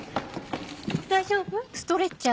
大丈夫？